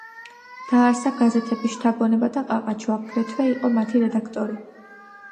დააარსა გაზეთები „შთაგონება“ და „ყაყაჩო“, აგრეთვე იყო მათი რედაქტორი.